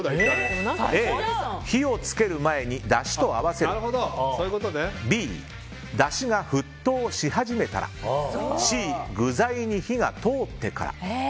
Ａ、火を付ける前にだしと合わせるＢ、だしが沸騰し始めたらＣ、具材に火が通ってから。